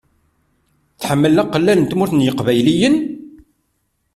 Tḥemmel aqellal n Tmurt n yeqbayliyen?